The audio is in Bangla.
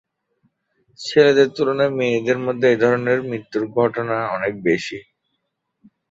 ছেলেদের তুলনায় মেয়েদের মধ্যে এ ধরনের মৃত্যুর ঘটনা অনেক বেশি।